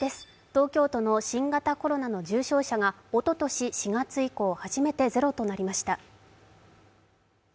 東京都の新型コロナの重症者がおととし４月以降初めてゼロとなりました。